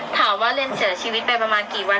รสภาวะเรียนเสียชีวิตไปประมาณกี่วัน